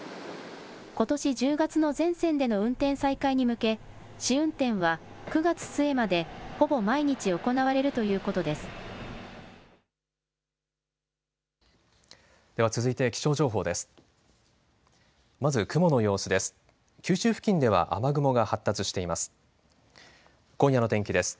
ことし１０月の全線での運転再開に向け試運転は９月末までほぼ毎日行われるということです。